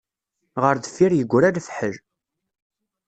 Ɣer deffir yegra lefḥel.